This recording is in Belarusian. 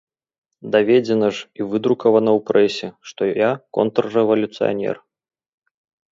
Даведзена ж і выдрукавана ў прэсе, што я контррэвалюцыянер.